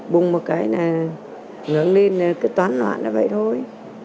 bùng một cái là ngưỡng lên là cứ toán loạn là vậy thôi